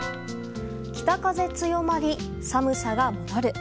北風強まり、寒さが戻る。